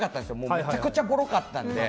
めちゃくちゃぼろかったんで。